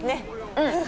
うん。